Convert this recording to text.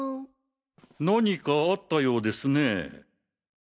何かあったようですね。